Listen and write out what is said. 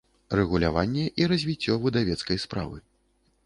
Рэгуляванне i развiццё выдавецкай справы.